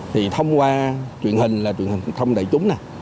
thì thông qua truyền hình là truyền hình thông đại chúng n